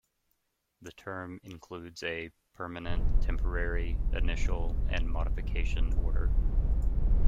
The term includes a permanent, temporary, initial, and modification order.